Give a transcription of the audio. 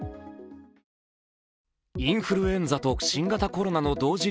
インフルエンザと新型コロナの同時